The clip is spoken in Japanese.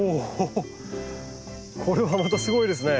これはまたすごいですね。